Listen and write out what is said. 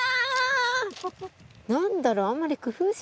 何だろう？